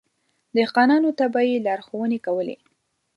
دهقانانو ته به يې لارښونې کولې.